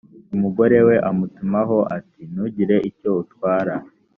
umugore we amutumaho ati ntugire icyo utwara